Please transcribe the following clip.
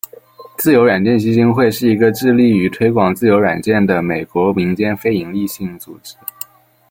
自由软件基金会是一个致力于推广自由软件的美国民间非营利性组织。